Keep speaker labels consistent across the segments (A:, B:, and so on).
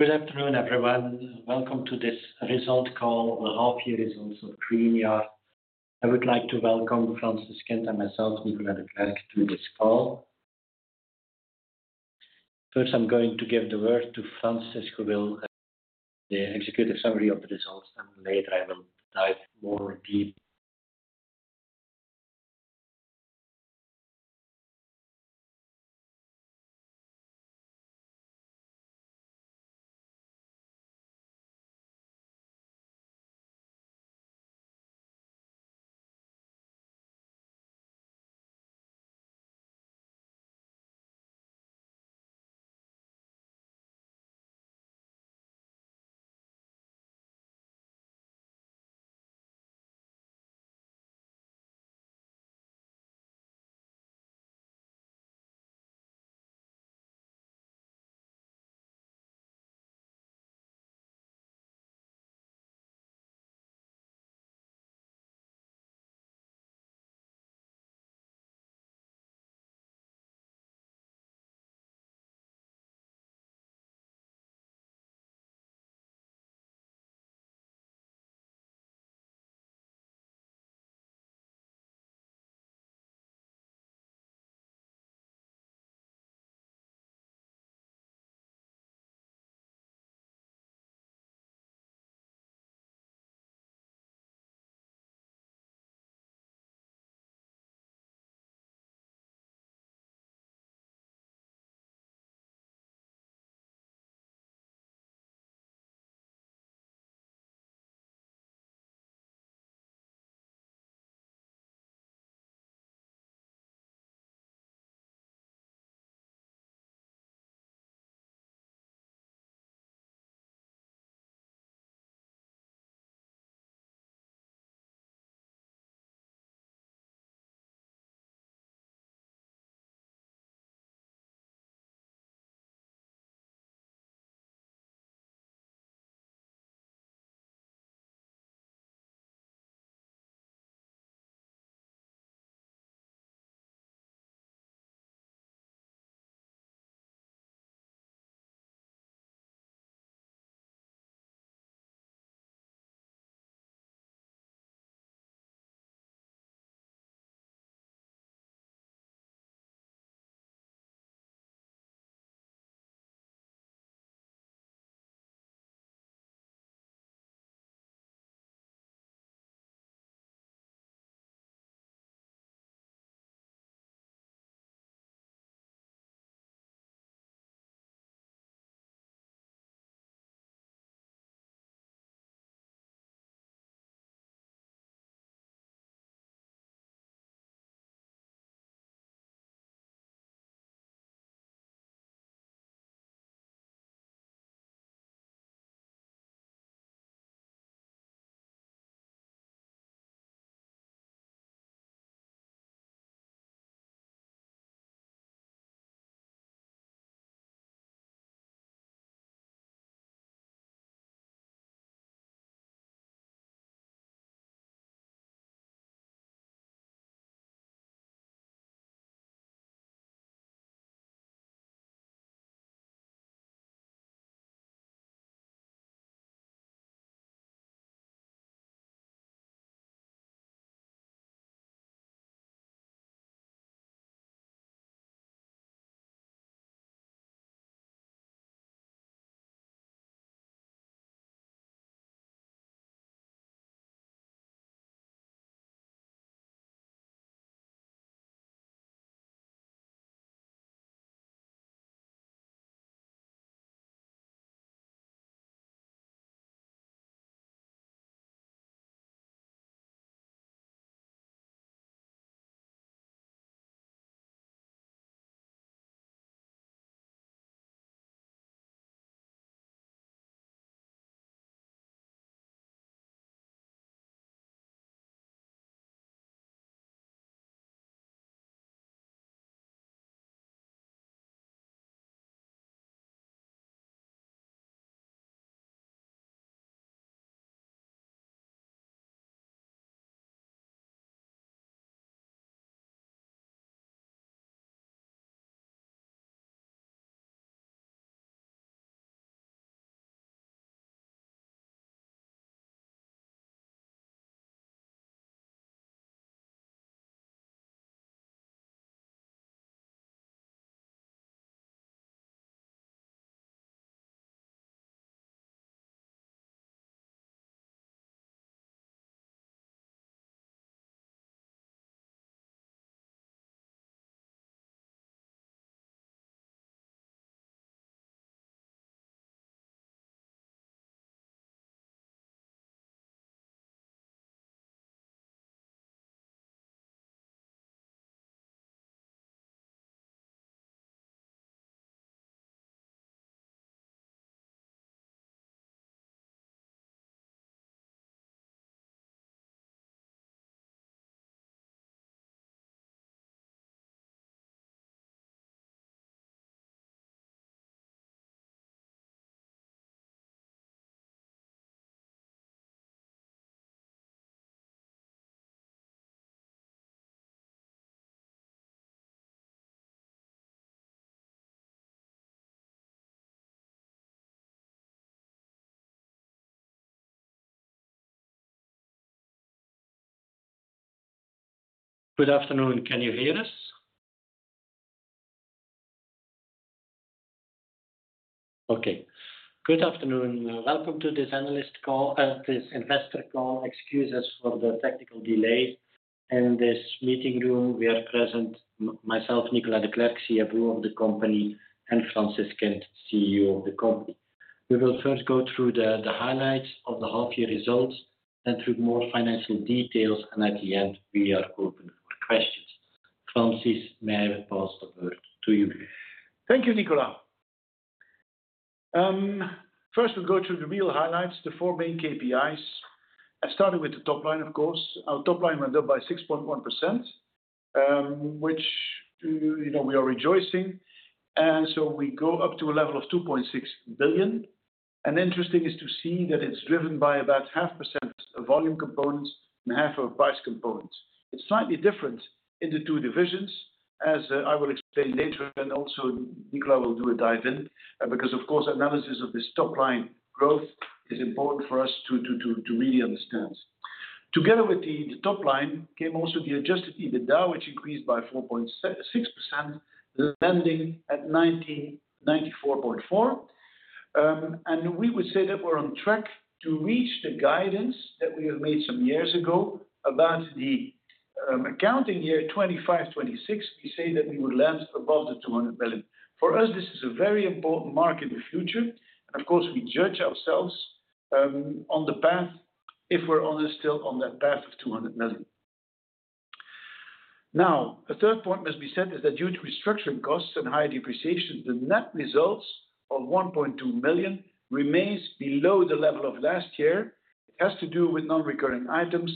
A: Good afternoon, everyone. Welcome to this results call, the half-year results of Greenyard. I would like to welcome Francis Kint and myself, Nicolas De Clercq, to this call. First, I'm going to give the word to Francis who will. The executive summary of the results, and later I will dive more deep. Good afternoon. Can you hear us? Okay. Good afternoon. Welcome to this investor call. Excuse us for the technical delay. In this meeting room, we are present: myself, Nicolas De Clercq, CFO of the company, and Francis Kint, CEO of the company. We will first go through the highlights of the half-year results and through more financial details, and at the end, we are open for questions. Francis, may I pass the word to you?
B: Thank you, Nicolas. First, we'll go through the real highlights, the four main KPIs. I started with the top line, of course. Our top line went up by 6.1%, which we are rejoicing, and so we go up to a level of 2.6 billion. Interesting is to see that it's driven by about 0.5% volume components and half of price components. It's slightly different in the two divisions, as I will explain later, and also Nicolas will do a dive in because, of course, analysis of this top line growth is important for us to really understand. Together with the top line came also the adjusted EBITDA, which increased by 4.6%, landing at 94.4 million. We would say that we're on track to reach the guidance that we have made some years ago about the accounting year 2025/2026. We say that we would land above the 200 million. For us, this is a very important mark in the future, and of course, we judge ourselves on the path if we're still on that path of 200 million. Now, a third point, as we said, is that due to restructuring costs and higher depreciation, the net results of 1.2 million remains below the level of last year. It has to do with non-recurring items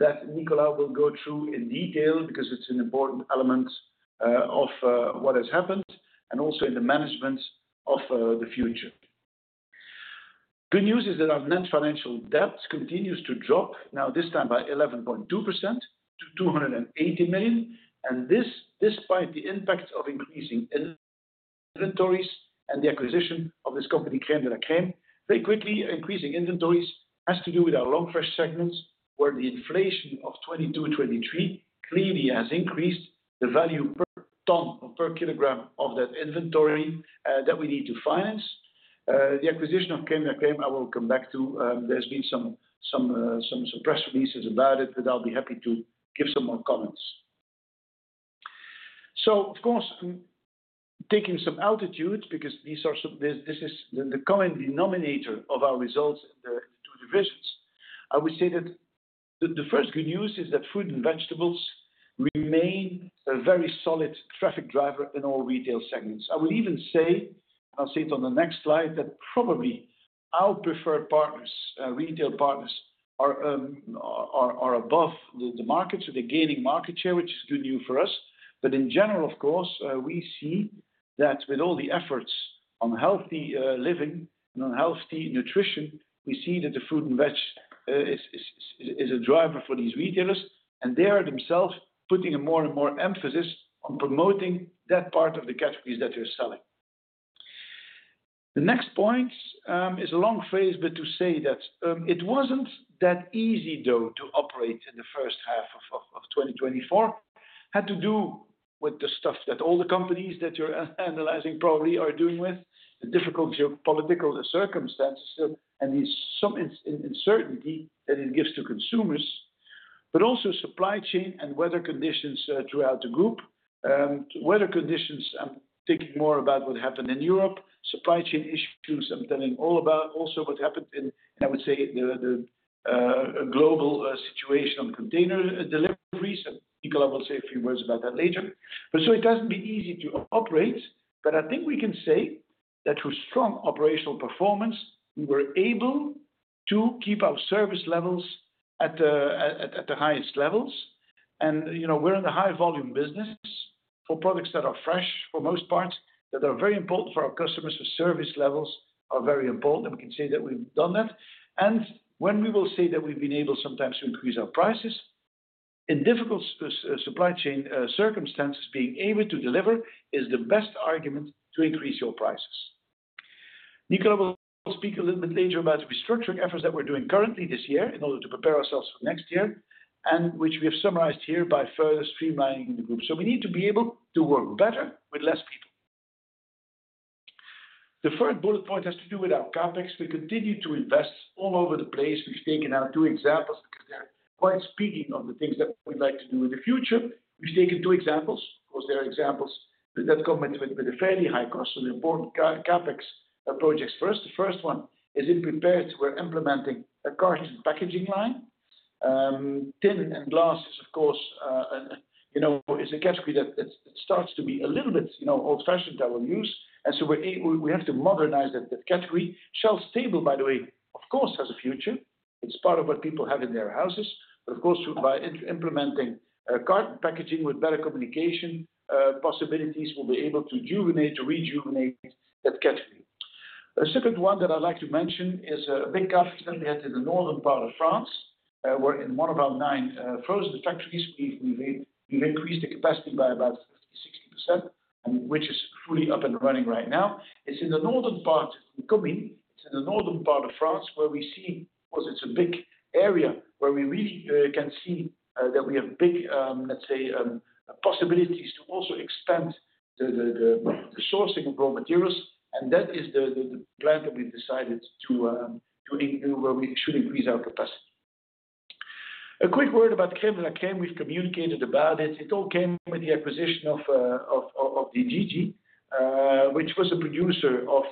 B: that Nicolas will go through in detail because it's an important element of what has happened and also in the management of the future. Good news is that our net financial debt continues to drop, now this time by 11.2% to 280 million. This, despite the impact of increasing inventories and the acquisition of this company, Crème de la Crème, very quickly increasing inventories has to do with our Long Fresh segments where the inflation of 2022/2023 clearly has increased the value per ton or per kilogram of that inventory that we need to finance. The acquisition of Crème de la Crème, I will come back to. There's been some press releases about it, but I'll be happy to give some more comments. Of course, taking some altitude because this is the common denominator of our results in the two divisions, I would say that the first good news is that fruits and vegetables remain a very solid traffic driver in all retail segments. I would even say, and I'll see it on the next slide, that probably our preferred partners, retail partners, are above the market, so they're gaining market share, which is good news for us. But in general, of course, we see that with all the efforts on healthy living and on healthy nutrition, we see that the fruit and veg is a driver for these retailers, and they are themselves putting more and more emphasis on promoting that part of the categories that they're selling. The next point is a long phrase, but to say that it wasn't that easy, though, to operate in the first half of 2024. It had to do with the stuff that all the companies that you're analyzing probably are dealing with, the difficulty of political circumstances, and the uncertainty that it gives to consumers, but also supply chain and weather conditions throughout the group. Weather conditions. I'm thinking more about what happened in Europe. Supply chain issues, I'm telling all about, also what happened in, I would say, the global situation on container deliveries. Nicolas will say a few words about that later. But so it doesn't be easy to operate, but I think we can say that through strong operational performance, we were able to keep our service levels at the highest levels. And we're in a high-volume business for products that are fresh for most parts, that are very important for our customers, so service levels are very important. And we can say that we've done that. And when we will say that we've been able sometimes to increase our prices, in difficult supply chain circumstances, being able to deliver is the best argument to increase your prices. Nicolas will speak a little bit later about restructuring efforts that we're doing currently this year in order to prepare ourselves for next year, and which we have summarized here by further streamlining in the group. So we need to be able to work better with less people. The third bullet point has to do with our CapEx. We continue to invest all over the place. We've taken out two examples because they're quite speaking of the things that we'd like to do in the future. We've taken two examples. Of course, there are examples that come with a fairly high cost and important CapEx projects for us. The first one is in Prepared, too. We're implementing a carton packaging line. Tin and glass is, of course, a category that starts to be a little bit old-fashioned that we'll use. And so we have to modernize that category. Shelf stable, by the way, of course, has a future. It's part of what people have in their houses. But of course, by implementing carton packaging with better communication possibilities, we'll be able to rejuvenate that category. The second one that I'd like to mention is a big CapEx that we had in the northern part of France. We're in one of our nine Frozen factories. We've increased the capacity by about 50-60%, which is fully up and running right now. It's in the northern part of the country. It's in the northern part of France where we see, of course, it's a big area where we really can see that we have big, let's say, possibilities to also expand the sourcing of raw materials, and that is the plant that we've decided to do where we should increase our capacity. A quick word about Crème de la Crème, we've communicated about it. It all came with the acquisition of Gigi, which was a producer of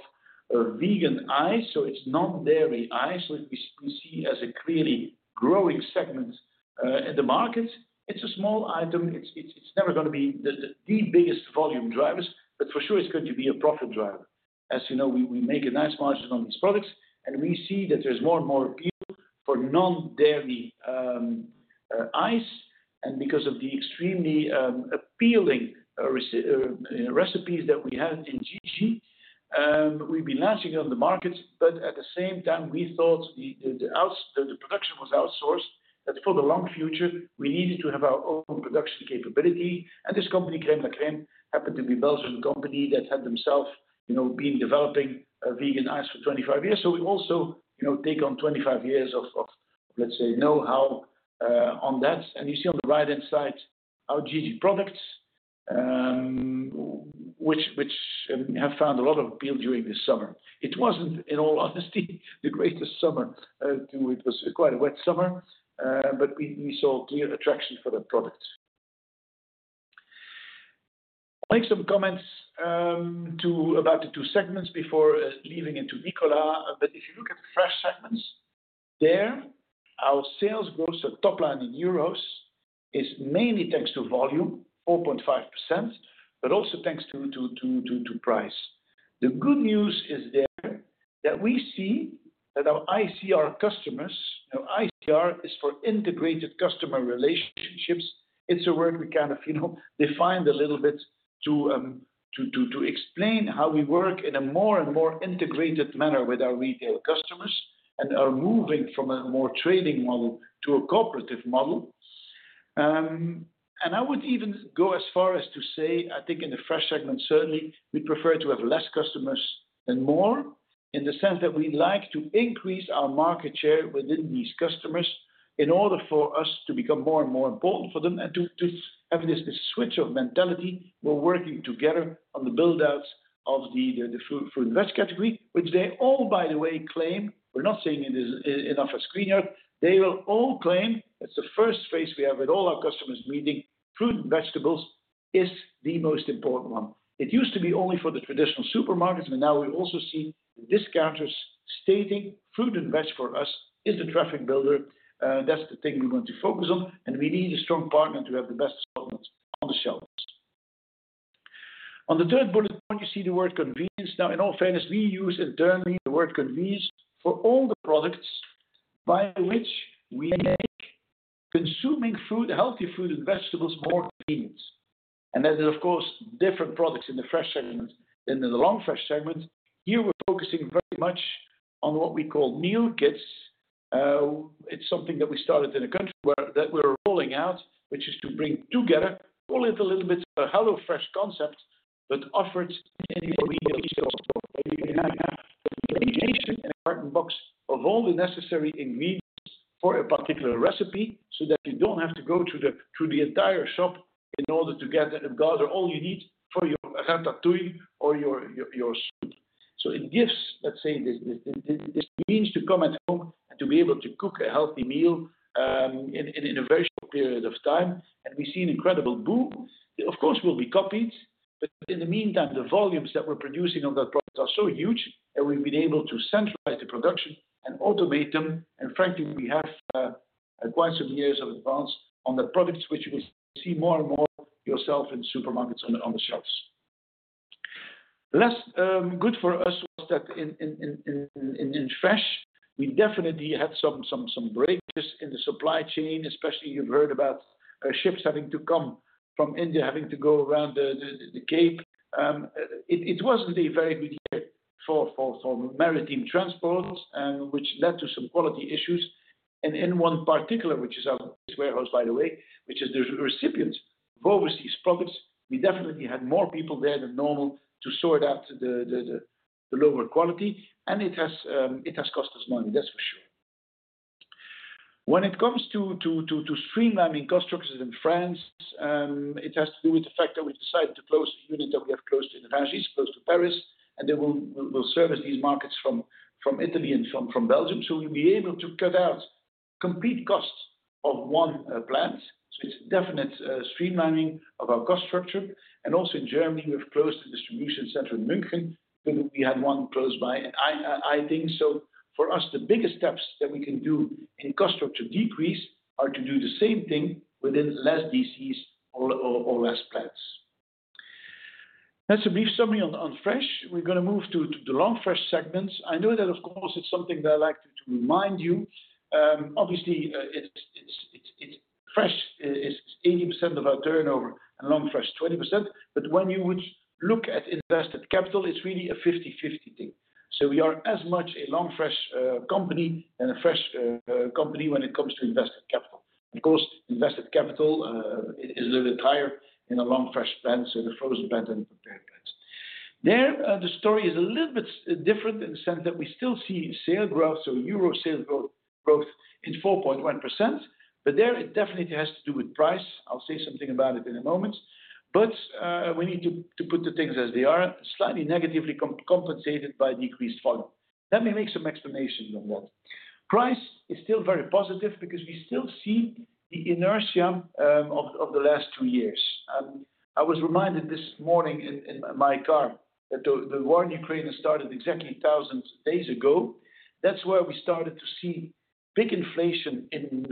B: vegan ice, so it's non-dairy ice. So we see as a clearly growing segment in the market. It's a small item. It's never going to be the biggest volume drivers, but for sure, it's going to be a profit driver. As you know, we make a nice margin on these products, and we see that there's more and more appeal for non-dairy ice. And because of the extremely appealing recipes that we have in Gigi, we've been launching on the market. But at the same time, we thought the production was outsourced, that for the long future, we needed to have our own production capability. This company, Crème de la Crème, happened to be a Belgian company that had themselves been developing vegan ice for 25 years. So we also take on 25 years of, let's say, know-how on that. And you see on the right-hand side our Gigi products, which have found a lot of appeal during this summer. It wasn't, in all honesty, the greatest summer. It was quite a wet summer, but we saw clear attraction for that product. I'll make some comments about the two segments before leaving it to Nicolas. But if you look at the fresh segments there, our sales growth, so top line in euros, is mainly thanks to volume, 4.5%, but also thanks to price. The good news is there that we see that our ICR customers, ICR is for Integrated Customer Relationships. It's a word we kind of defined a little bit to explain how we work in a more and more integrated manner with our retail customers and are moving from a more trading model to a cooperative model. And I would even go as far as to say, I think in the fresh segment, certainly, we prefer to have less customers and more in the sense that we like to increase our market share within these customers in order for us to become more and more important for them. And to have this switch of mentality, we're working together on the build-outs of the fruit and veg category, which they all, by the way, claim. We're not saying it is enough a screener; they will all claim it's the first phase we have with all our customers meeting. Fruit and vegetables is the most important one. It used to be only for the traditional supermarkets, but now we also see the discounters saying fruit and veg for us is the traffic builder. That's the thing we want to focus on, and we need a strong partner to have the best assortments on the shelves. On the third bullet point, you see the word convenience. Now, in all fairness, we use the term the word convenience for all the products by which we make consuming food, healthy food and vegetables more convenient. And that is, of course, different products in the Fresh segment than in the Long Fresh segment. Here, we're focusing very much on what we call meal kits. It's something that we started in a country that we're rolling out, which is to bring together all of the little bits of a HelloFresh concept, but offered in a retail store. You can have a carton box of all the necessary ingredients for a particular recipe so that you don't have to go to the entire shop in order to gather all you need for your ratatouille or your soup. So it gives, let's say, this means to come home and to be able to cook a healthy meal in a very short period of time. And we see an incredible boom. Of course, we'll be copied, but in the meantime, the volumes that we're producing on that product are so huge that we've been able to centralize the production and automate them. And frankly, we have quite some years of advance on the products, which you'll see more and more in supermarkets on the shelves. Lastly, good for us was that in fresh, we definitely had some breakers in the supply chain, especially you've heard about ships having to come from India, having to go around the Cape. It wasn't a very good year for maritime transport, which led to some quality issues. And in one particular, which is our warehouse, by the way, which is the recipient of overseas products, we definitely had more people there than normal to sort out the lower quality. And it has cost us money, that's for sure. When it comes to streamlining cost structures in France, it has to do with the fact that we've decided to close the unit that we have close to Rungis, close to Paris, and then we'll service these markets from Italy and from Belgium. So we'll be able to cut out the complete cost of one plant. It's definite streamlining of our cost structure. And also in Germany, we've closed the distribution center in Munich, but we had one close by, I think. For us, the biggest steps that we can do in cost structure decrease are to do the same thing within less DCs or less plants. That's a brief summary on Fresh. We're going to move to the Long Fresh segment. I know that, of course, it's something that I like to remind you. Obviously, Fresh is 80% of our turnover and Long Fresh, 20%. But when you would look at invested capital, it's really a 50/50 thing. We are as much a Long Fresh company and a Fresh company when it comes to invested capital. Of course, invested capital is a little bit higher in a Long Fresh plant than in a Frozen plant and Prepared plants. There, the story is a little bit different in the sense that we still see sales growth, so EUR sales growth is 4.1%, but there, it definitely has to do with price. I'll say something about it in a moment, but we need to put the things as they are, slightly negatively compensated by decreased volume. Let me make some explanations on that. Price is still very positive because we still see the inertia of the last two years. I was reminded this morning in my car that the war in Ukraine has started exactly 1,000 days ago. That's where we started to see big inflation in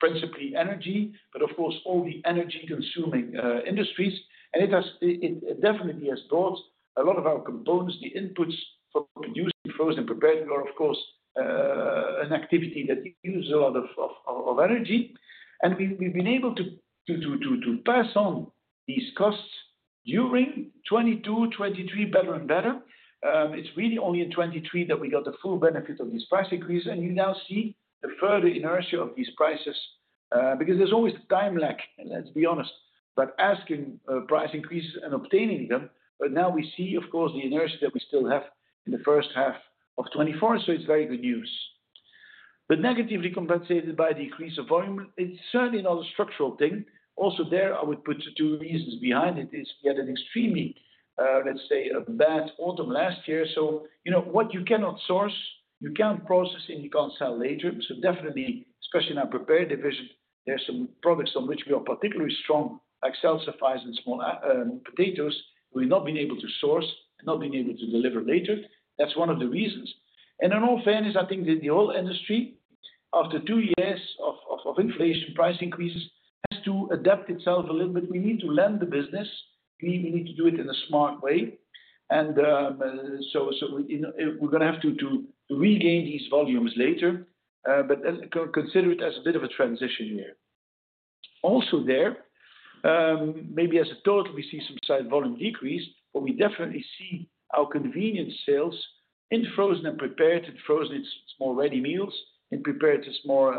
B: principally energy, but of course, all the energy-consuming industries, and it definitely has brought a lot of our components, the inputs for producing Frozen Prepared meal, of course, an activity that uses a lot of energy. We've been able to pass on these costs during 2022, 2023, better and better. It's really only in 2023 that we got the full benefit of these price increases. You now see the further inertia of these prices because there's always time lag, let's be honest, but asking price increases and obtaining them. Now we see, of course, the inertia that we still have in the first half of 2024. It's very good news. Negatively compensated by decrease of volume, it's certainly not a structural thing. Also there, I would put two reasons behind it. We had an extremely, let's say, bad autumn last year. So what you cannot source, you can't process, and you can't sell later. So definitely, especially in our Prepared division, there are some products on which we are particularly strong, like salsifies and small potatoes, we've not been able to source and not been able to deliver lately. That's one of the reasons. And in all fairness, I think that the whole industry, after two years of inflation, price increases, has to adapt itself a little bit. We need to lean the business. We need to do it in a smart way. And so we're going to have to regain these volumes later, but consider it as a bit of a transition year. Also there, maybe as a total, we see some slight volume decrease, but we definitely see our convenience sales in Frozen and Prepared and Frozen small ready meals and Prepared small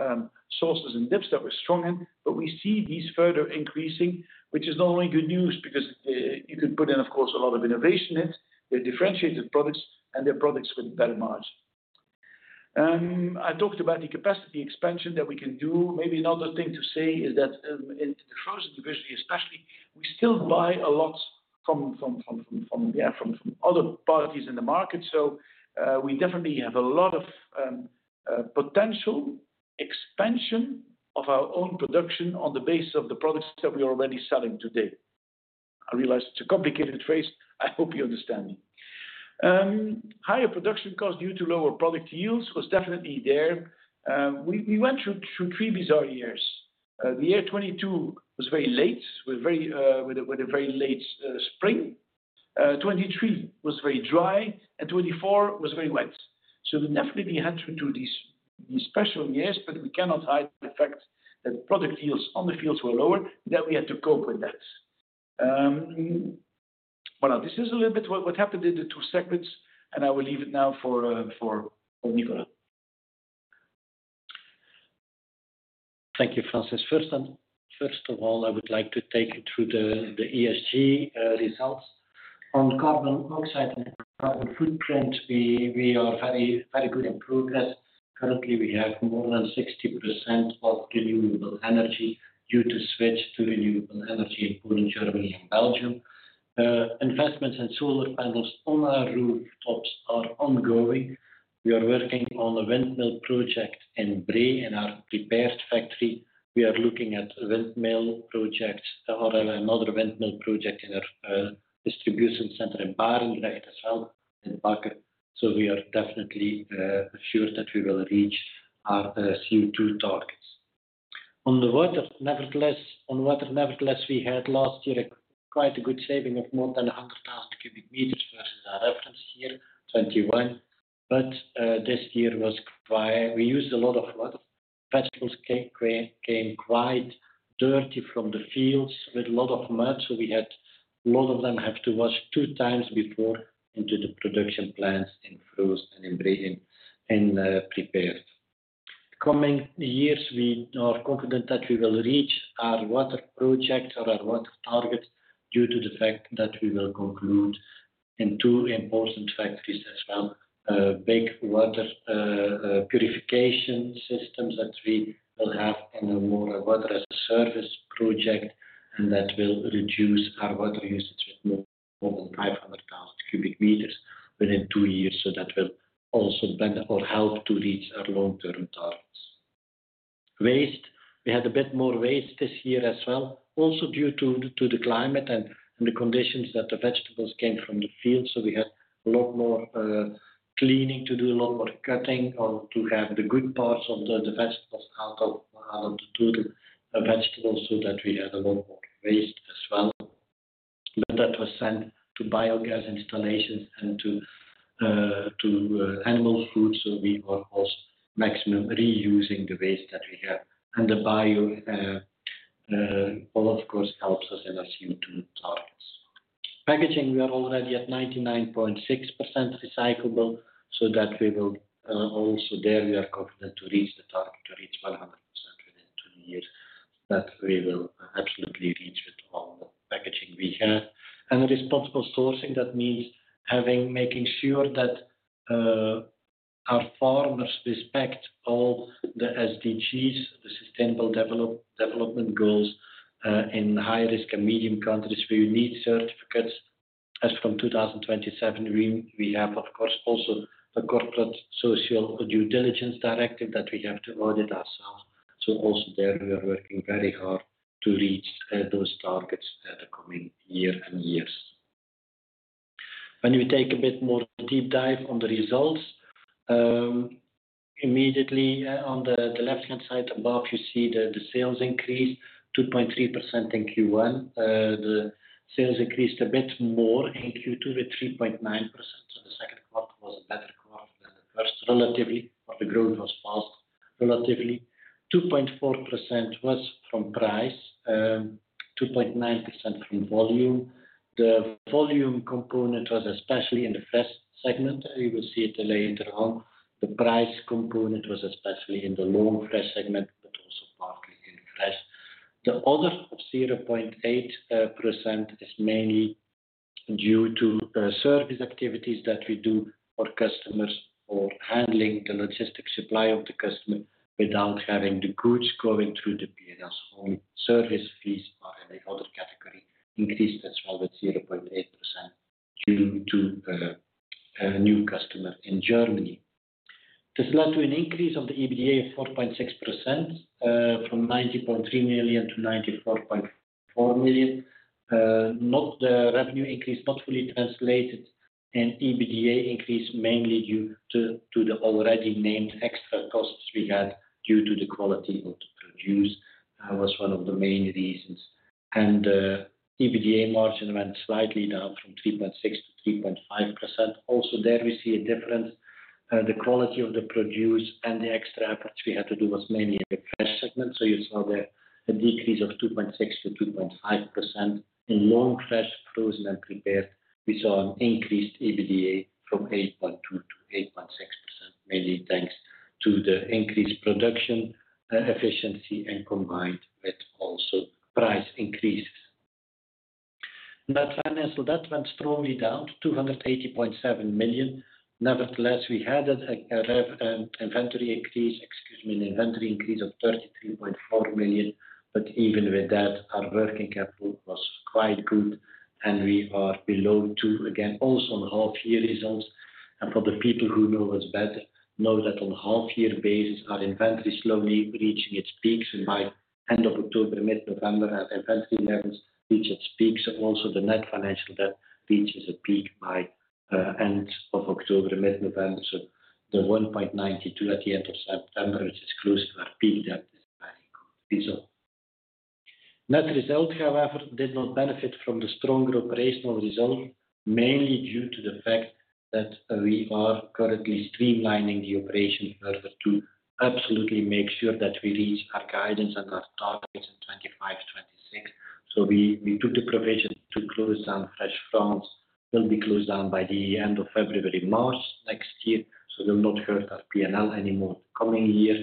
B: sauces and dips that we're strong in. But we see these further increasing, which is not only good news because you can put in, of course, a lot of innovation in it. They're differentiated products, and they're products with better margin. I talked about the capacity expansion that we can do. Maybe another thing to say is that in the Frozen division, especially, we still buy a lot from other parties in the market. So we definitely have a lot of potential expansion of our own production on the basis of the products that we are already selling today. I realize it's a complicated phrase. I hope you understand me. Higher production cost due to lower product yields was definitely there. We went through three bizarre years. The year 2022 was very late with a very late spring. 2023 was very dry, and 2024 was very wet. We definitely had to do these special years, but we cannot hide the fact that product yields on the fields were lower, that we had to cope with that. Well, this is a little bit what happened in the two segments, and I will leave it now for Nicolas.
A: Thank you, Francis. First of all, I would like to take you through the ESG results on carbon dioxide and carbon footprint. We are very good in progress. Currently, we have more than 60% of renewable energy due to switch to renewable energy in Poland, Germany, and Belgium. Investments in solar panels on our rooftops are ongoing. We are working on a windmill project in Bree in our Prepared factory. We are looking at windmill projects or another windmill project in our distribution center in Barendrecht as well in Bakker. We are definitely sure that we will reach our CO2 targets. On the water, nevertheless, we had last year quite a good saving of more than 100,000 cubic meters versus our reference year, 2021. But this year was quite we used a lot of water. Vegetables came quite dirty from the fields with a lot of mud. So we had a lot of them have to wash two times before into the production plants in Frozen and in Bree in Prepared. Coming years, we are confident that we will reach our water project or our water target due to the fact that we will conclude in two important factories as well, big water purification systems that we will have in a water as a service project, and that will reduce our water usage with more than 500,000 cubic meters within two years. So that will also better or help to reach our long-term targets. Waste. We had a bit more waste this year as well, also due to the climate and the conditions that the vegetables came from the field. So we had a lot more cleaning to do, a lot more cutting to have the good parts of the vegetables out of the total vegetables, so that we had a lot more waste as well. But that was sent to biogas installations and to animal food. So we are also maximum reusing the waste that we have. And the bio, of course, helps us in our CO2 targets. Packaging, we are already at 99.6% recyclable. So that we will also there, we are confident to reach the target to reach 100% within two years. That we will absolutely reach with all the packaging we have. Responsible sourcing, that means making sure that our farmers respect all the SDGs, the Sustainable Development Goals in high-risk and medium countries where you need certificates. As from 2027, we have, of course, also a Corporate Sustainability Due Diligence Directive that we have to audit ourselves. So also there, we are working very hard to reach those targets in the coming year and years. When we take a bit more deep dive on the results, immediately on the left-hand side above, you see the sales increase, 2.3% in Q1. The sales increased a bit more in Q2 with 3.9%. So the second quarter was a better quarter than the first, relatively, or the growth was fast, relatively. 2.4% was from price, 2.9% from volume. The volume component was especially in the fresh segment. You will see it later on. The price component was especially in the Long Fresh segment, but also partly in Fresh. The other 0.8% is mainly due to service activities that we do for customers or handling the logistic supply of the customer without having the goods going through the P&L's home. Service fees are in the other category, increased as well with 0.8% due to new customers in Germany. This led to an increase of the EBITDA of 4.6% from 90.3 million to 94.4 million. The revenue increase not fully translated in EBITDA increase mainly due to the already named extra costs we had due to the quality of the produce was one of the main reasons. The EBITDA margin went slightly down from 3.6%-3.5%. Also there, we see a difference. The quality of the produce and the extra efforts we had to do was mainly in the Fresh segment. You saw there a decrease of 2.6%-2.5%. In Long Fresh, Frozen, and Prepared, we saw an increased EBITDA from 8.2%-8.6%, mainly thanks to the increased production efficiency and combined with also price increases. Net Financial Debt went strongly down to 280.7 million. Nevertheless, we had an inventory increase, excuse me, an inventory increase of 33.4 million. But even with that, our working capital was quite good, and we are below two, again, also on half-year results. For the people who know us better, know that on a half-year basis, our inventory is slowly reaching its peaks. By end of October, mid-November, our inventory levels reach its peaks. So also the Net Financial Debt reaches a peak by end of October, mid-November. The 1.92 at the end of September, which is close to our peak debt, is very good result. Net result, however, did not benefit from the stronger operational result, mainly due to the fact that we are currently streamlining the operation further to absolutely make sure that we reach our guidance and our targets in 2025, 2026. So we took the provision to close down fresh plants. We'll be closed down by the end of February, March next year. So we'll not hurt our P&L anymore the coming year.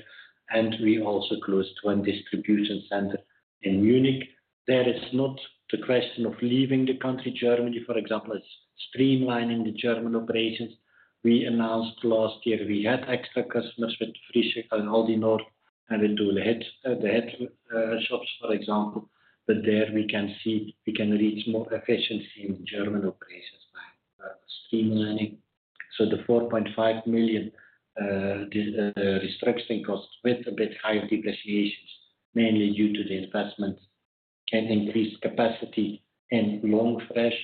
A: And we also closed one distribution center in Munich. There is not the question of leaving the country. Germany, for example, is streamlining the German operations. We announced last year we had extra customers with HelloFresh and Aldi Nord and with Dohle shops, for example. But there we can see we can reach more efficiency in German operations by streamlining. The 4.5 million restructuring costs with a bit higher depreciations, mainly due to the investment and increased capacity in Long Fresh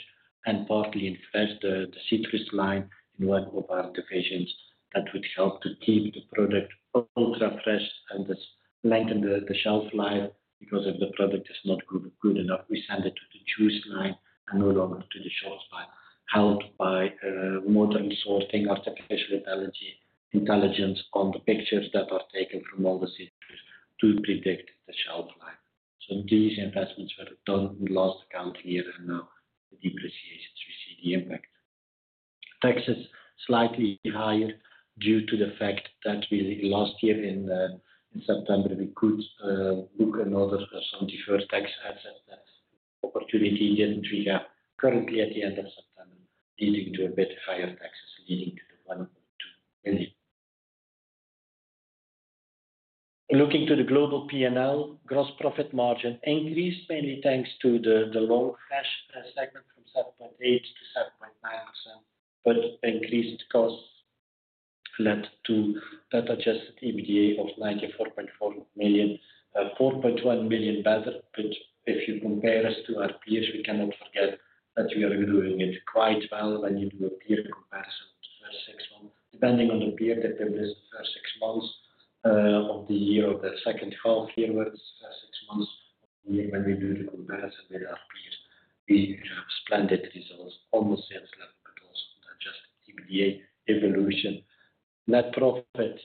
A: and partly in Fresh, the citrus line in one of our divisions that would help to keep the product ultra fresh and lengthen the shelf life because if the product is not good enough, we send it to the juice line and no longer to the shelf line, helped by modern sorting, artificial intelligence on the pictures that are taken from all the citrus to predict the shelf life. These investments were done in the last account year and now the depreciations, we see the impact. Taxes slightly higher due to the fact that last year in September, we could book an order for some deferred tax assets that opportunity didn't really have currently at the end of September leading to a bit higher taxes leading to the 1.2 million. Looking to the global P&L, gross profit margin increased mainly thanks to the Long Fresh segment from 7.8%-7.9%, but increased costs led to that adjusted EBITDA of 94.4 million, 4.1 million better, but if you compare us to our peers, we cannot forget that we are doing it quite well when you do a peer comparison for six months. Depending on the period that there is for six months of the year or the second half year where it's for six months of the year when we do the comparison with our peers, we have splendid results almost same level but also adjusted EBITDA evolution. Net profit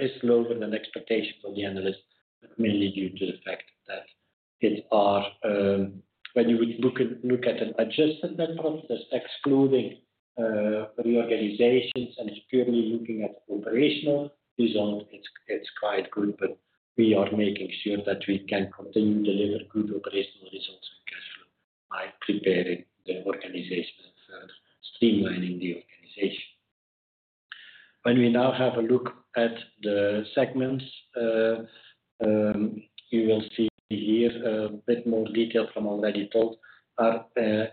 A: is lower than expectations of the analysts, but mainly due to the fact that it's ours when you would look at an adjusted net profit, that's excluding reorganizations and purely looking at operational results, it's quite good, but we are making sure that we can continue to deliver good operational results and cash flow by preparing the organization and further streamlining the organization. When we now have a look at the segments, you will see here a bit more detail from what I already told. Our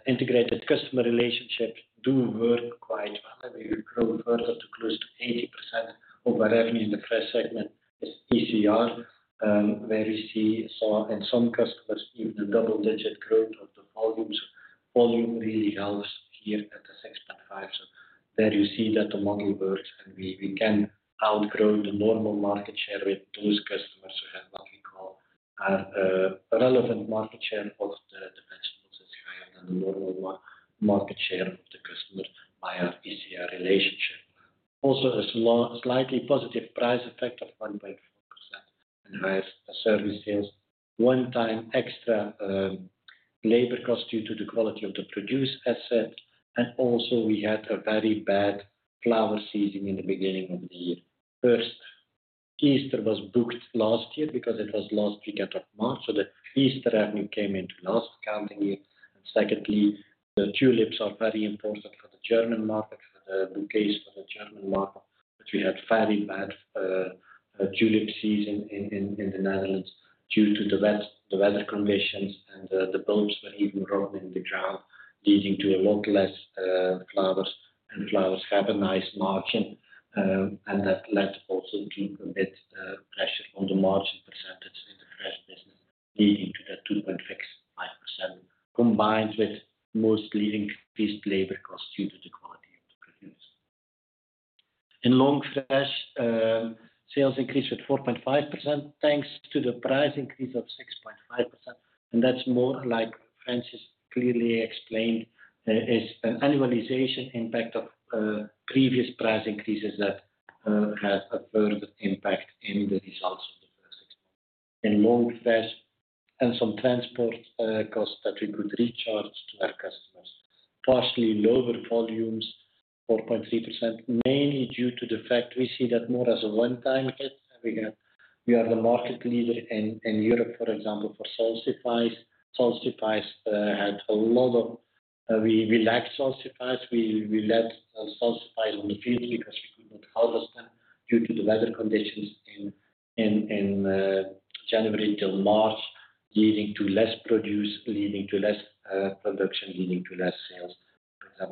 A: Integrated Customer Relationships do work quite well. We grow further to close to 80% of our revenue in the fresh segment is ICR, where we see in some customers even a double-digit growth of the volume. So volume really helps here at the 6.5. So there you see that the model works, and we can outgrow the normal market share with those customers. We have what we call our relevant market share of the vegetables is higher than the normal market share of the customer by our ICR relationship. Also a slightly positive price effect of 1.4% and higher service sales, one-time extra labor cost due to the quality of the produce asset. And also we had a very bad flower season in the beginning of the year. First, Easter was booked last year because it was last weekend of March. So the Easter revenue came into last accounting year. And secondly, the tulips are very important for the German market, for the bouquets for the German market. But we had very bad tulip season in the Netherlands due to the weather conditions, and the bulbs were even rotting in the ground, leading to a lot less flowers, and flowers have a nice margin. And that led also to a bit of pressure on the margin percentage in the fresh business, leading to that 2.65% combined with mostly increased labor costs due to the quality of the produce. In Long Fresh, sales increased with 4.5% thanks to the price increase of 6.5%. And that's more like Francis clearly explained, is an annualization impact of previous price increases that have a further impact in the results of the first six months. In Long Fresh, and some transport costs that we could recharge to our customers, partially lower volumes, 4.3%, mainly due to the fact we see that more as a one-time hit. We are the market leader in Europe, for example, for salsifies. We lacked salsifies. We let salsifies on the field because we could not harvest them due to the weather conditions in January till March, leading to less produce, leading to less production, leading to less sales.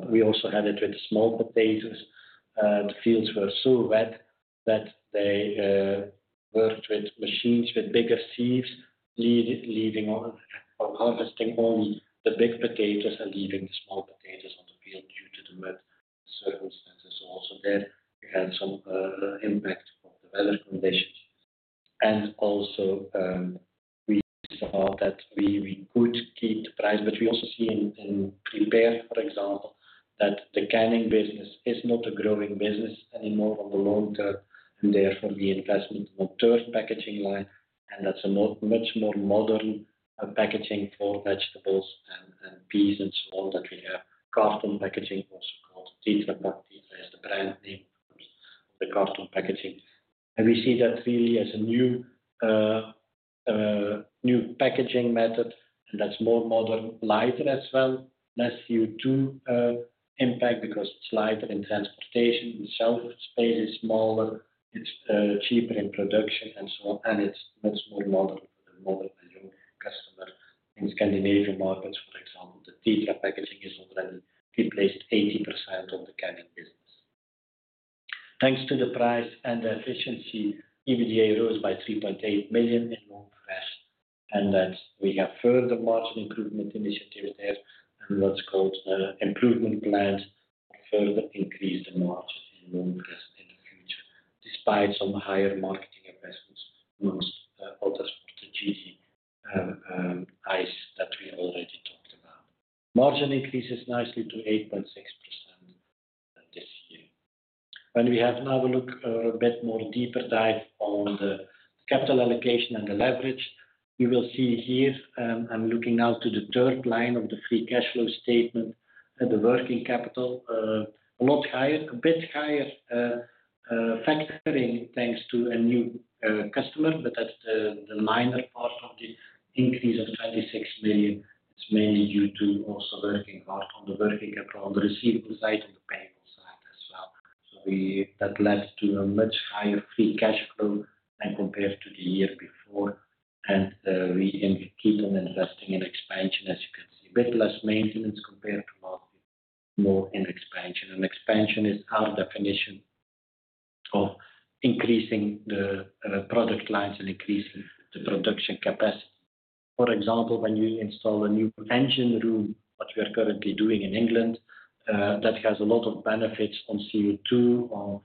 A: We also had it with small potatoes. The fields were so wet that they worked with machines with bigger sieves leaving or harvesting only the big potatoes and leaving the small potatoes on the field due to the wet circumstances. Also there, we had some impact of the weather conditions. And also we saw that we could keep the price, but we also see in Prepared, for example, that the canning business is not a growing business anymore on the long term. And therefore, the investment in a Tetra packaging line, and that's a much more modern packaging for vegetables and peas and so on that we have. Carton packaging, also called Tetra Pak. Tetra is the brand name of the carton packaging. And we see that really as a new packaging method, and that's more modern, lighter as well, less CO2 impact because it's lighter in transportation. The shelf space is smaller. It's cheaper in production and so on, and it's much more modern for the modern and young customer. In Scandinavian markets, for example, the Tetra packaging is already replaced 80% of the canning business. Thanks to the price and the efficiency, EBITDA rose by 3.8 million in Long Fresh, and we have further margin improvement initiatives there, and what's called improvement plans to further increase the margin in Long Fresh in the future, despite some higher marketing investments among other strategic initiatives that we already talked about. Margin increases nicely to 8.6% this year. When we now have a look or a bit more deeper dive on the capital allocation and the leverage, you will see here. I'm looking at the third line of the free cash flow statement, the working capital, a lot higher, a bit higher factoring thanks to a new customer, but that's the minor part of the increase of 26 million. It's mainly due to also working hard on the working capital, on the receivable side, on the payable side as well. So that led to a much higher free cash flow than compared to the year before. And we keep on investing in expansion, as you can see. A bit less maintenance compared to last year, more in expansion. And expansion is our definition of increasing the product lines and increasing the production capacity. For example, when you install a new engine room, what we are currently doing in England, that has a lot of benefits on CO2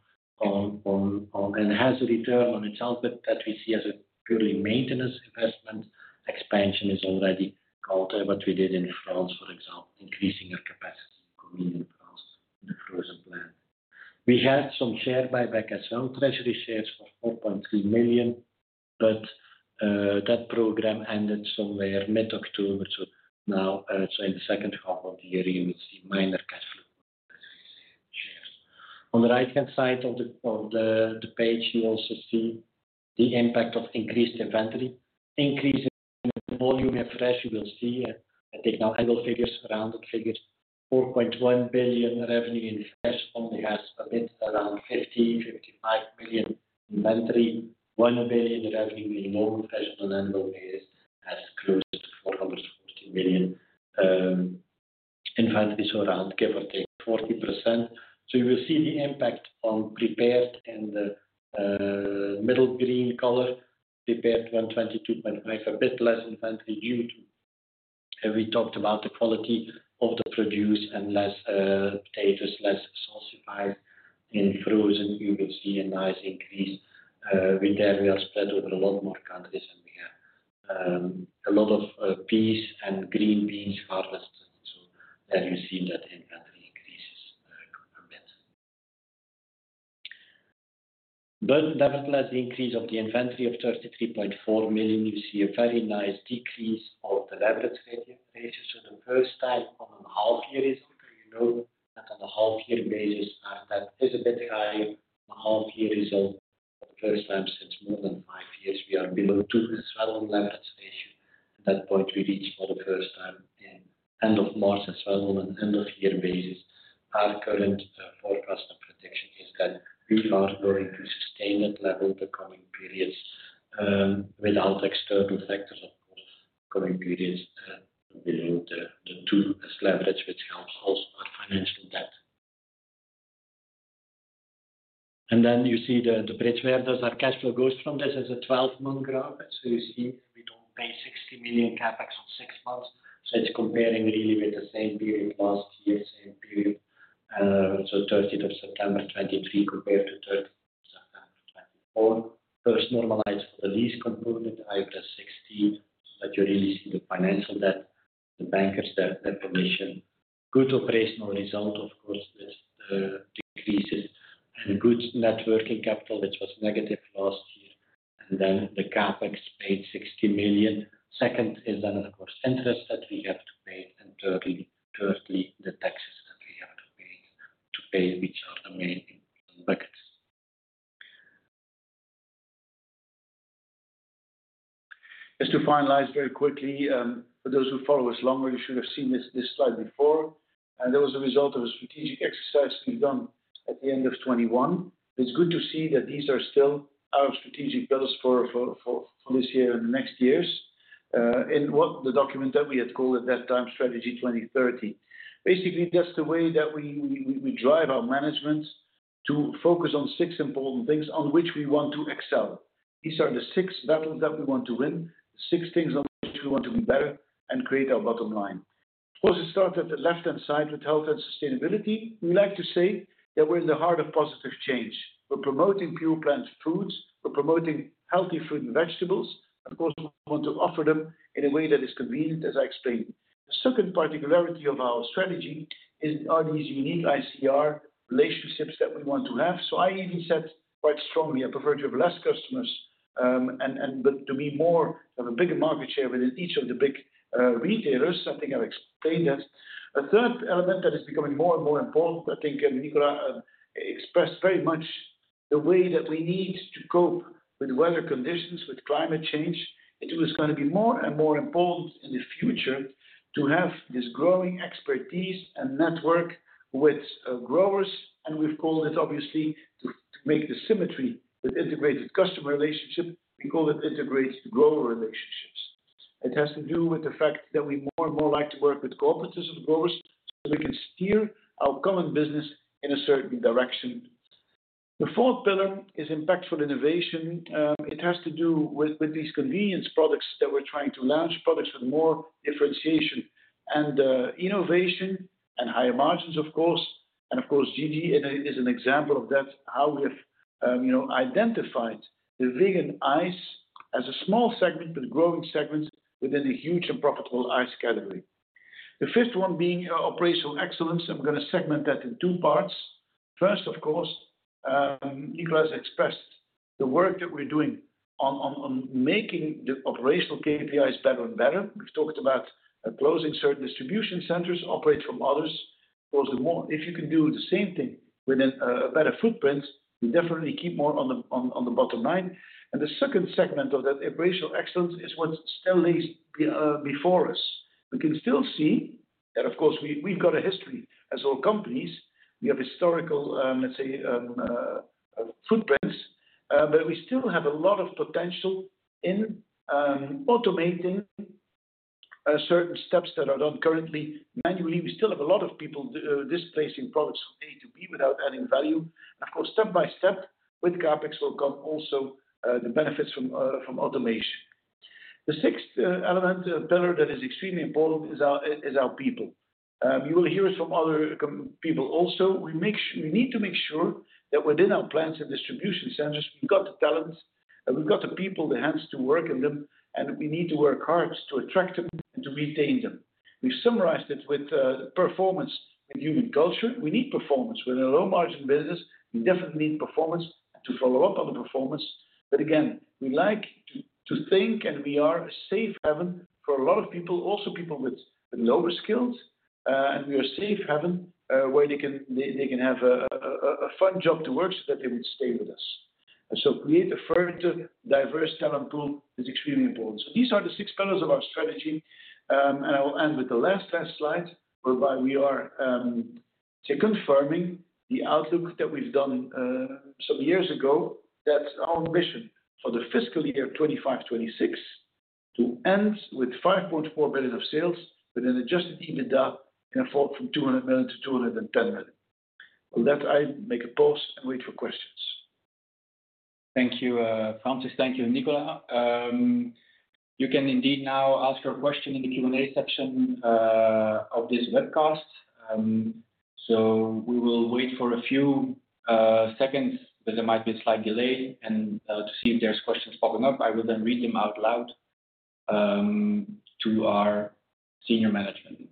A: and has a return on itself, but that we see as a purely maintenance investment. Expansion is already called what we did in France, for example, increasing our capacity in France, in the Frozen plant. We had some share buyback as well, treasury shares for 4.3 million, but that program ended somewhere mid-October. So now, so in the second half of the year, you will see minor cash flow on the treasury shares. On the right-hand side of the page, you also see the impact of increased inventory. Increasing the volume of fresh, you will see I take now annual figures around the figures. 4.1 billion revenue in fresh only has a bit around 50 million-55 million inventory. 1 billion revenue in Long Fresh on annual basis has closer to 440 million inventory, so around give or take 40%. You will see the impact on Prepared in the middle green color. Prepared 122.5 million, a bit less inventory due to, and we talked about the quality of the produce and less potatoes, less salsifies in Frozen. You will see a nice increase. We then will spread over a lot more countries, and we have a lot of peas and green beans harvested. There you see that inventory increases a bit. But nevertheless, the increase of the inventory of 33.4 million, you see a very nice decrease of the leverage ratio. So the first time on a half-year result, and you know that on a half-year basis, that is a bit higher. The half-year result for the first time since more than five years, we are below 2 as well on leverage ratio. At that point, we reached for the first time in end of March as well on an end-of-year basis. Our current forecast and prediction is that we are going to sustain that level the coming periods without external factors, of course, the coming periods below the 2 as leverage, which helps also our financial debt. And then you see the bridge where our cash flow goes from. This is a 12-month graph. So you see we don't pay 60 million CapEx on six months. It's comparing really with the same period last year, same period, so 30th of September 2023 compared to 30th of September 2024. First normalized for the lease component, it's plus 16, so that you really see the financial debt, the bankers' definition. Good operational result, of course, with the decreases and good net working capital, which was negative last year. And then the CapEx paid 60 million. Second is then, of course, interest that we have to pay, and thirdly, the taxes that we have to pay, which are the main buckets.
B: Just to finalize very quickly, for those who follow us longer, you should have seen this slide before. And that was the result of a strategic exercise we've done at the end of 2021. It's good to see that these are still our strategic pillars for this year and the next years in the document that we had called at that time, Strategy 2030. Basically, that's the way that we drive our management to focus on six important things on which we want to excel. These are the six battles that we want to win, six things on which we want to be better and create our bottom line. Of course, it starts at the left-hand side with health and sustainability. We like to say that we're in the heart of positive change. We're promoting pure plant foods. We're promoting healthy fruit and vegetables. Of course, we want to offer them in a way that is convenient, as I explained. The second particularity of our strategy are these unique ICR relationships that we want to have. So I even said quite strongly, I prefer to have less customers, but to be more, have a bigger market share within each of the big retailers. I think I've explained that. A third element that is becoming more and more important, I think Nicolas expressed very much, the way that we need to cope with weather conditions, with climate change. It was going to be more and more important in the future to have this growing expertise and network with growers. And we've called it, obviously, to make the symmetry with Integrated Customer Relationship, we call it Integrated Grower Relationships. It has to do with the fact that we more and more like to work with cooperatives of growers so we can steer our common business in a certain direction. The fourth pillar is impactful innovation. It has to do with these convenience products that we're trying to launch, products with more differentiation and innovation and higher margins, of course. Of course, Gigi is an example of that, how we have identified the vegan ice as a small segment with growing segments within the huge and profitable ice category. The fifth one being operational excellence. I'm going to segment that in two parts. First, of course, Nicolas has expressed the work that we're doing on making the operational KPIs better and better. We've talked about closing certain distribution centers, operate from others. Of course, if you can do the same thing with a better footprint, you definitely keep more on the bottom line. The second segment of that operational excellence is what still lies before us. We can still see that, of course. We've got a history as all companies. We have historical, let's say, footprints, but we still have a lot of potential in automating certain steps that are done currently manually. We still have a lot of people displacing products from A to B without adding value. Of course, step by step, with CapEx will come also the benefits from automation. The sixth element, a pillar that is extremely important, is our people. You will hear it from other people also. We need to make sure that within our plants and distribution centers, we've got the talents, and we've got the people, the hands to work in them, and we need to work hard to attract them and to retain them. We've summarized it with performance and human culture. We need performance. We're in a low-margin business. We definitely need performance to follow up on the performance. But again, we like to think, and we are a safe haven for a lot of people, also people with lower skills, and we are a safe haven where they can have a fun job to work so that they would stay with us. And so create a further diverse talent pool is extremely important. These are the six pillars of our strategy. I will end with the last, last slide, whereby we are confirming the outlook that we've done some years ago, that our ambition for the fiscal year 2025-2026 to end with 5.4 billion of sales with an Adjusted EBITDA in the range of 200 million-210 million. With that, I make a pause and wait for questions.
C: Thank you, Francis. Thank you, Nicolas. You can indeed now ask your question in the Q&A section of this webcast. We will wait for a few seconds, but there might be a slight delay. To see if there's questions popping up, I will then read them out loud to our senior management.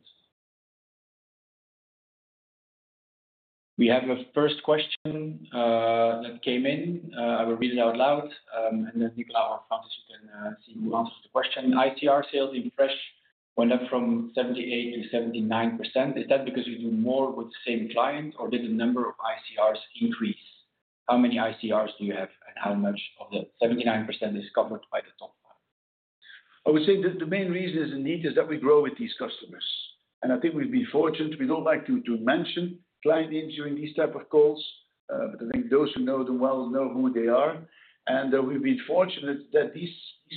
C: We have a first question that came in. I will read it out loud. Then, Nicolas, or Francis, you can see who answers the question. ICR sales in fresh went up from 78%-79%. Is that because you do more with the same client, or did the number of ICRs increase? How many ICRs do you have, and how much of the 79% is covered by the top five?
B: I would say that the main reason is indeed that we grow with these customers. I think we've been fortunate. We don't like to mention client names during these types of calls, but I think those who know them well know who they are. We've been fortunate that these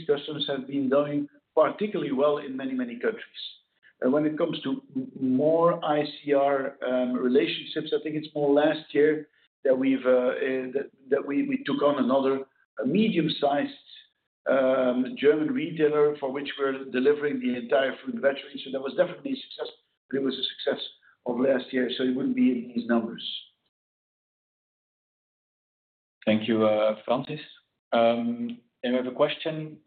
B: customers have been doing particularly well in many, many countries. When it comes to more ICR relationships, I think it's more last year that we took on another medium-sized German retailer for which we're delivering the entire food and vegetables. So that was definitely a success, but it was a success of last year. So it wouldn't be in these numbers.
C: Thank you, Francis. We have a question.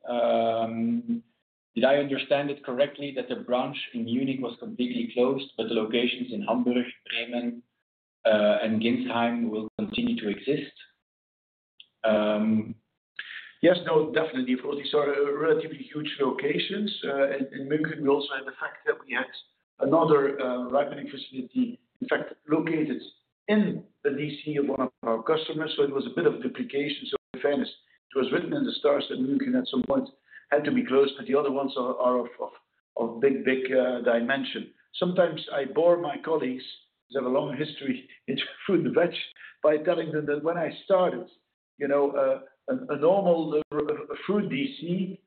C: Did I understand it correctly that the branch in München was completely closed, but the locations in Hamburg, Bremen, and Ginsheim will continue to exist?
B: Yes, no, definitely. Of course, these are relatively huge locations. In München, we also had the fact that we had another ripening facility, in fact, located in the DC of one of our customers. So it was a bit of duplication. So in fairness, it was written in the stars that Munich at some point had to be closed, but the other ones are of big, big dimension. Sometimes I bore my colleagues, who have a long history in food and veg, by telling them that when I started, a normal food DC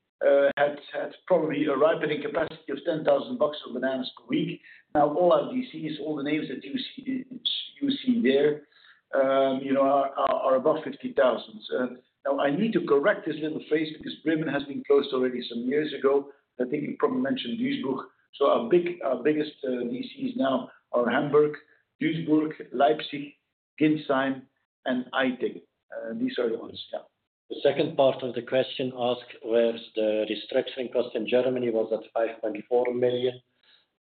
B: had probably a ripening capacity of 10,000 boxes of bananas per week. Now, all our DCs, all the names that you see there, are above 50,000. Now, I need to correct this little phrase because Bremen has been closed already some years ago. I think you probably mentioned Duisburg. So our biggest DCs now are Hamburg, Duisburg, Leipzig, Ginsheim, and Eiting. These are the ones, yeah.
A: The second part of the question asked where the restructuring cost in Germany was at 5.4 million.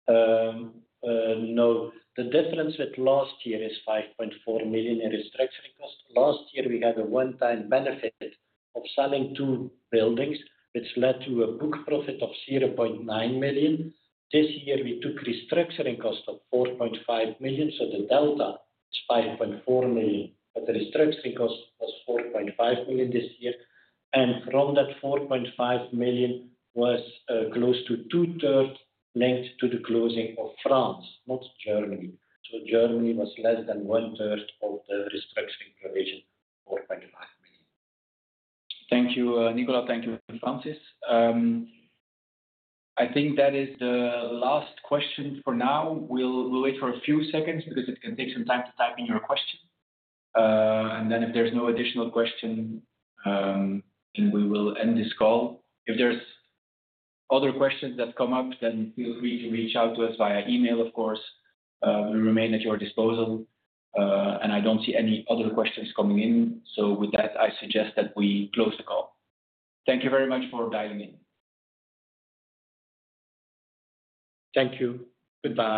A: No, the difference with last year is 5.4 million in restructuring cost. Last year, we had a one-time benefit of selling two buildings, which led to a book profit of 0.9 million. This year, we took restructuring cost of 4.5 million. So the delta is 5.4 million, but the restructuring cost was 4.5 million this year. And from that 4.5 million was close to two-thirds linked to the closing of France, not Germany. So Germany was less than one-third of the restructuring provision of EUR 4.5 million.
C: Thank you, Nicolas. Thank you, Francis. I think that is the last question for now. We'll wait for a few seconds because it can take some time to type in your question. And then if there's no additional question, then we will end this call. If there's other questions that come up, then feel free to reach out to us via email, of course. We remain at your disposal. And I don't see any other questions coming in. So with that, I suggest that we close the call. Thank you very much for dialing in.
A: Thank you. Goodbye.